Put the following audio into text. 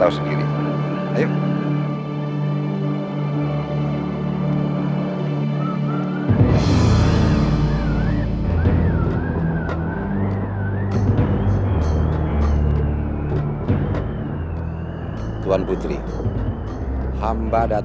jangan lupa untuk berikan duit